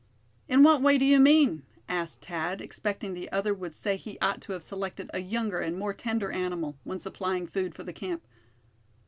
"In what way do you mean?" asked Thad, expecting the other would say he ought to have selected a younger and more tender animal, when supplying food for the camp.